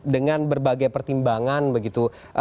dengan berbagai pertimbangan begitu